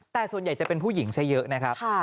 แต่ส่วนใหญ่จะเป็นผู้หญิงซะเยอะนะครับ